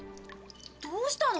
どうしたの？